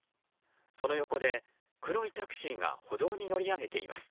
その横で黒いタクシーが歩道に乗り上げています。